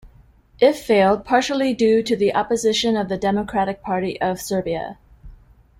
It failed, partially due to the opposition of the Democratic Party of Serbia.